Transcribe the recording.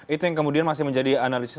itu yang kemudian masih menjadi analisis